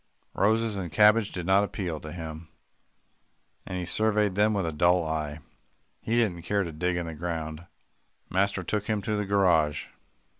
Roses and cabbages did not appeal to him, and he surveyed them with a dull eye. He didn't care to dig in the ground. Master took him to the garage.